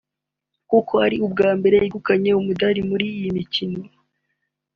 kuko ari ubwa mbere yegukanye umudari muri iyi mikino